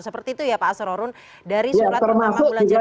seperti itu ya pak asrorun dari surat pertama bulan januari